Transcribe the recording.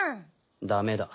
ダメだ。